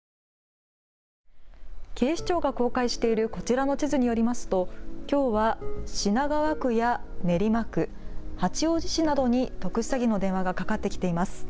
警視庁が公開しているこちらの地図によりますときょうは品川区や練馬区、八王子市などに特殊詐欺の電話がかかってきています。